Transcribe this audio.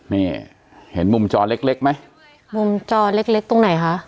นี่เห็นมุมจอเล็กเล็กไหมมุมจอเล็กเล็กตรงไหนคะ